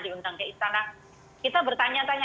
diundang ke istana kita bertanya tanya